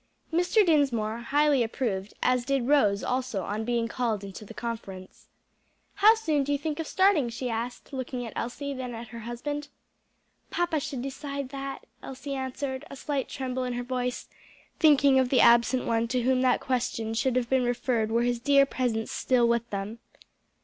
Mr. Dinsmore highly approved, as did Rose also on being called in to the conference. "How soon do you think of starting?" she asked, looking at Elsie, then at her husband. "Papa should decide that," Elsie answered, a slight tremble in her voice, thinking of the absent one to whom that question should have been referred were his dear presence still with them.